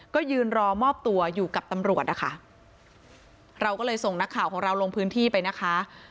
ก็ยืนรอมอบตัวอยู่กับตำรวจนะคะเราก็เลยส่งนักข่าวของเราลงพื้นที่ไปนะคะ